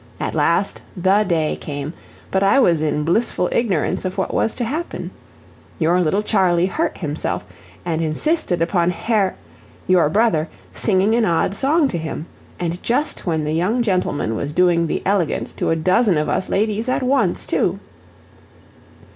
At last THE day came, but I was in blissful ignorance of what was to happen. Your little Charley hurt himself, and insisted upon Har your brother singing an odd song to him; and just when the young gentleman was doing the elegant to a dozen of us ladies at once, too!